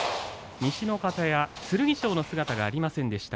西の方屋、剣翔の姿がありませんでした。